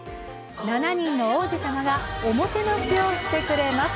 ７人の王子様がおもてなしをしてくれます。